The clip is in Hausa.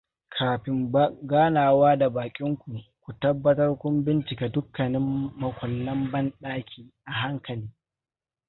Kafin ganawa da baƙin ku, ku tabbatar kun bincika dukkanin makullan banɗaki a hankali.